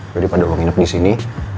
jadi pada uang hidup disini